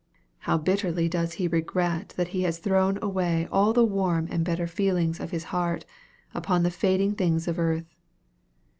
How bitterly does he regret that he has thrown away all the warm and better feelings of his heart upon the fading things of earth!